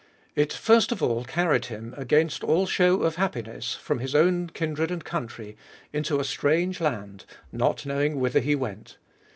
It first of all carried him, against all shew of happiness, from his own kindred and country, into a strange land^ not knowing whither he went.